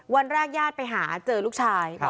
วันแรกญาติไปหาเจอลูกชาย